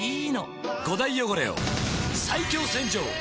５大汚れを最強洗浄！